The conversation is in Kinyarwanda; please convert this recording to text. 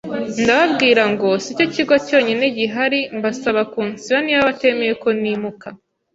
ndababwira ngo sicyo kigo cyonyine gihari mbasaba kunsiba niba batemeye ko nimuka.